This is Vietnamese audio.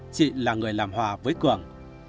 chị là người làm hòa với cường